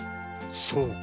そうか。